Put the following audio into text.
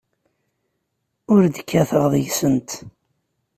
Ur d-kkateɣ deg-sent.